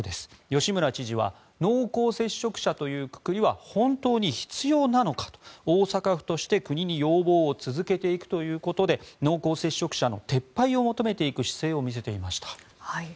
吉村知事は濃厚接触者というくくりは本当に必要なのかと大阪府として国に要望を続けていくということで濃厚接触者の撤廃を求めていく姿勢を見せていました。